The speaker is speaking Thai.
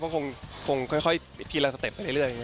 ก็คงค่อยทีละสเต็ปไปเรื่อย